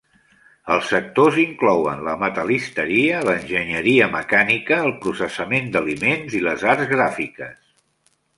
Els sectors inclouen la metal·listeria, l'enginyeria mecànica, el processament d'aliments i les arts gràfiques.